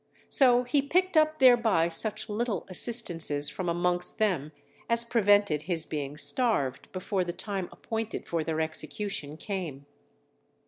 So he picked up thereby such little assistances from amongst them as prevented his being starved before the time appointed for their execution came.